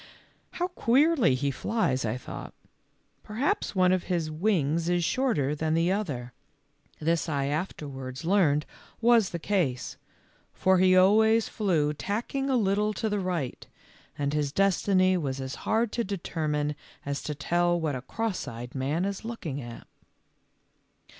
"How queerly he flies," I thought; " perhaps one of his wings is shorter than the other." This I afterwards learned was the case, for he always flew tacking a little to the right, and his destiny was as hard to determine as to tell what a cross eyed man is looking at.